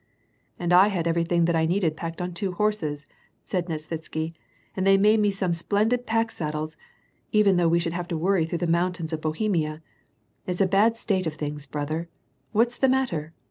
" And I had everything that I needed packed on two horses/' said Nesvitsky, " and they made me some splendid paek sad dies. Even though we should have to worry through the moun tains of Bohemia. It's a bad state of things, brother. What's the matter